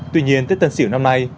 tuy nhiên tết tân sỉu năm nay